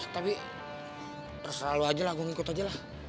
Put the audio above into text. tapi terserah lu aja lah gua ngikut aja lah